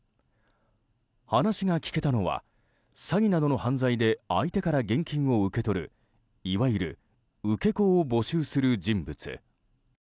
話が聞けたのは詐欺などの犯罪で相手から現金を受け取るいわゆる受け子を募集する人物。